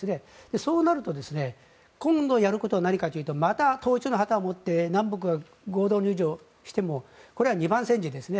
そうなると今度やることは何かというとまた統一の旗を持って南北が合同入場してもこれは二番煎じですね。